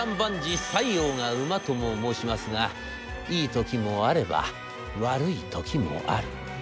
とも申しますがいい時もあれば悪い時もある。